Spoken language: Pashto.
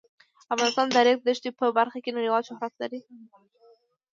افغانستان د د ریګ دښتې په برخه کې نړیوال شهرت لري.